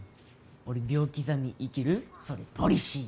俺秒刻み生きるそれポリシー